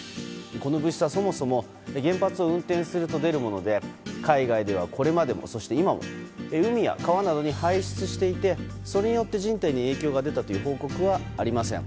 この物質は、そもそも原発を運転すると出るもので海外では、これまでもそして今も海や川などに排出していてそれによって人体に影響が出たという報告はありません。